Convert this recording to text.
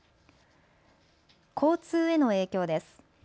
交通への影響です。